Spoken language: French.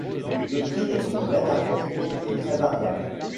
Le prix des crevettes importées est très variable.